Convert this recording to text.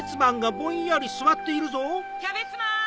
キャベツマン！